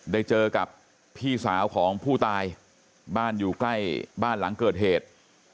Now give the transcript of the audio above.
ได้เจอกับพี่สาวของผู้ตายบ้านอยู่ใกล้บ้านหลังเกิดเหตุ